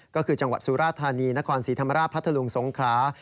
ก็คือจังหวัดสุราธานีนครศรีธรรมราชพัทธลุงสงครา